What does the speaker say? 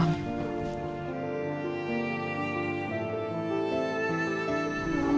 iya gua digarukan